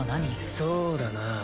そうだな。